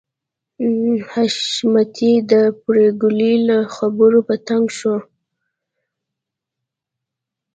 حشمتي د پريګلې له خبرو په تنګ شو